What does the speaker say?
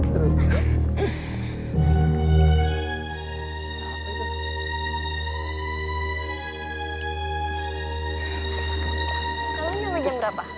kamu nyampe jam berapa